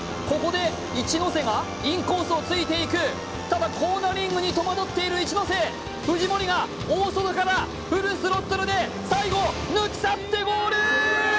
ここで一ノ瀬がインコースを突いていくただコーナリングに戸惑っている一ノ瀬藤森が大外からフルスロットルで最後抜き去ってゴール！